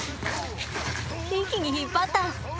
一気に引っ張った！